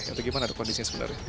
atau gimana kondisinya sebenarnya